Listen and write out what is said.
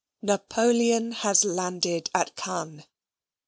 "Napoleon has landed at Cannes."